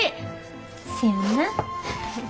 せやな。